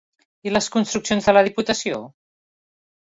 I les construccions de la Diputació?